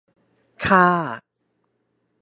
ค่า